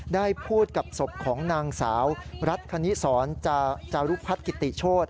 ได้พูดกับสบของนางสาวรัตนิสร์จารุพัตค์กริติโชต